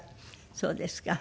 そうですか。